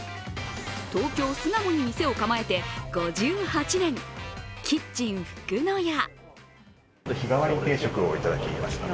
東京・巣鴨に店を構えて５８年、キッチンフクノヤ。